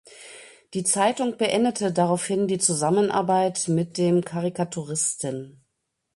Die Zeitung beendete daraufhin die Zusammenarbeit mit dem Karikaturisten.